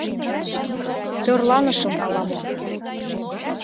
— Тӧрланышым ала-мо...